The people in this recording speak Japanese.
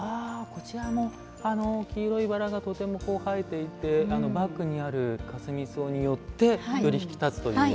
こちらも黄色いバラがとても映えていて、バックにあるかすみ草によってより引き立つという。